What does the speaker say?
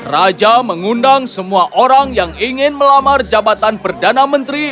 raja mengundang semua orang yang ingin melamar jabatan perdana menteri